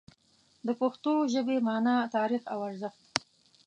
د پښتو ژبې مانا، تاریخ او ارزښت